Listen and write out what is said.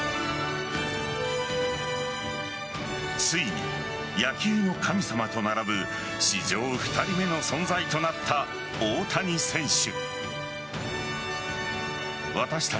ついに野球の神様と並ぶ史上２人目の存在となった大谷選手。